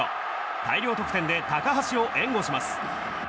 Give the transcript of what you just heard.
大量得点で高橋を援護します。